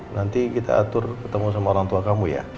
nanti kita atur ketemu sama orang tua kamu ya